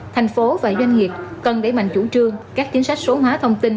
thành phố và doanh nghiệp cần đẩy mạnh chủ trương các chính sách số hóa thông tin